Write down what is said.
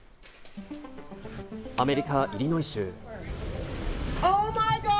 アメリカ・イリノイ州。